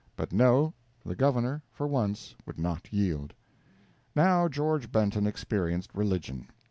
But no, the Governor for once would not yield. Now George Benton experienced religion.